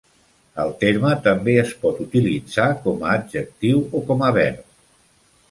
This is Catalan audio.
El terme també es pot utilitzar com a adjectiu o com a verb.